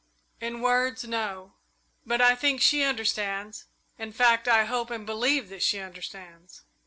"In words, no but I think she understands in fact, I hope and believe that she understands."